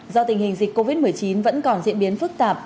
do tình hình dịch covid một mươi chín vẫn còn diễn biến phức tạp